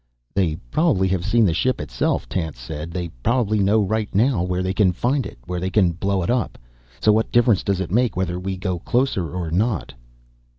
"They probably have seen the ship itself," Tance said. "They probably know right now where they can find it, where they can blow it up. So what difference does it make whether we go closer or not?"